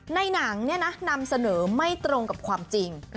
ในหนังนำเสนอไม่ตรงกับความจริง